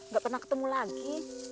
gak pernah ketemu lagi